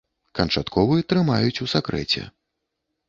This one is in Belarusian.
Канчатковы трымаюць у сакрэце.